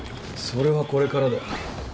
それはこれからだ。